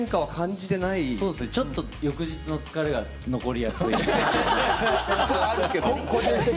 ちょっと翌日の疲れが残りやすいけど。